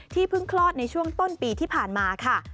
เพิ่งคลอดในช่วงต้นปีที่ผ่านมาค่ะ